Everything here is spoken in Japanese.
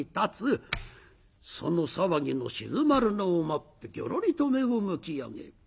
その騒ぎの鎮まるのを待ってギョロリと目をむき上げる。